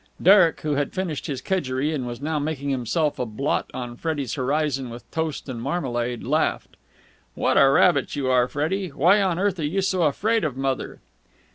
Derek, who had finished his kedgeree and was now making himself a blot on Freddie's horizon with toast and marmalade, laughed. "What a rabbit you are, Freddie! Why on earth are you so afraid of mother?"